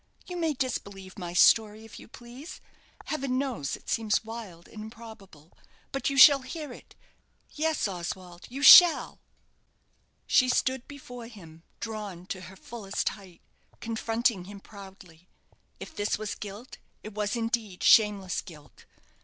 You may disbelieve my story, if you please heaven knows it seems wild and improbable! but you shall hear it. Yes, Oswald, you shall!" She stood before him, drawn to her fullest height, confronting him proudly. If this was guilt, it was, indeed, shameless guilt.